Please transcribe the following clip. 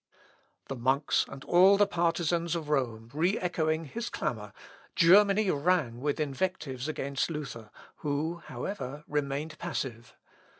The monks and all the partisans of Rome re echoing his clamour, Germany rang with invectives against Luther, who, however, remained passive.